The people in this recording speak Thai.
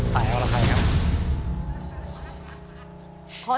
ตายอรไทยครับ